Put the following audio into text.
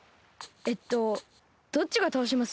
えっとどっちがたおします？